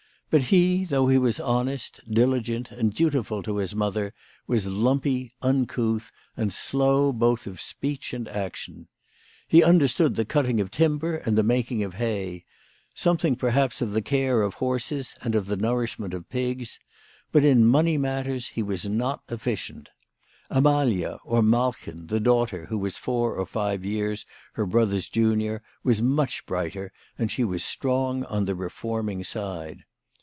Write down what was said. But he, though he was honest, diligent, and dutiful to his mother, was lumpy, uncouth, and slow both of speech and action. He understood the cutting of timber and the making of hay, something perhaps of the care of horses and of the nourishment of pigs ; but in money matters he was not efficient. Amalia, or Malchen, the daughter, who was four or five years her brother's junior, was much brighter, and she was strong on the reforming side.